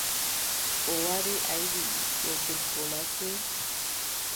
O wari a yiɗi ɓiɗɗo debbo masin.